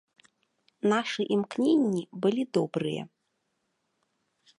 Нашы імкненні былі добрыя.